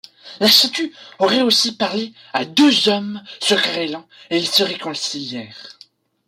La statue aurait aussi parlé à deux hommes se querellant et ils se réconcilièrent.